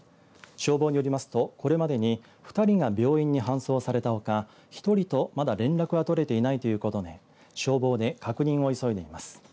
消防によりますとこれまでに２人が病院に搬送されたほか１人とまだ連絡が取れていないということで消防に確認を急いでいます。